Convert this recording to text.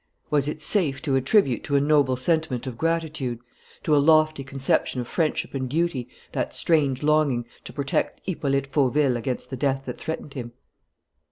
Was it safe to attribute to a noble sentiment of gratitude, to a lofty conception of friendship and duty, that strange longing to protect Hippolyte Fauville against the death that threatened him?